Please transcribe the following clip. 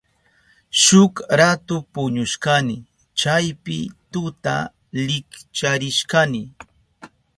Shuk ratu puñushkani. Chawpi tuta likcharishkani.